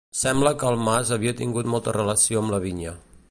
Sembla que el mas havia tingut molta relació amb la vinya.